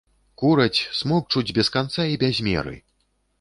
Кураць, смокчуць без канца і без меры!